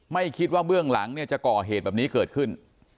ไม่คิดว่าเบื้องหลังเนี่ยจะก่อเหตุแบบนี้เกิดขึ้น